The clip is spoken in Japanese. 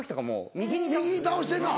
右に倒してんの。